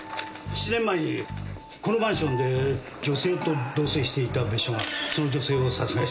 ７年前にこのマンションで女性と同棲していた別所がその女性を殺害したのは。